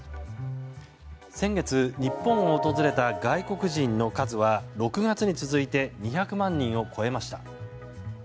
先月、日本を訪れた外国人の数は６月に続いて２００万人を超えました。